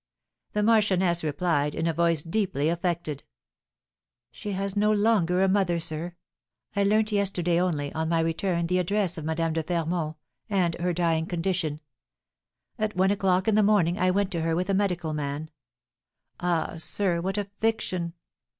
The marchioness replied, in a voice deeply affected: "She has no longer a mother, sir. I learnt yesterday only, on my return, the address of Madame de Fermont, and her dying condition; at one o'clock in the morning I went to her with a medical man. Ah, sir, what a fiction!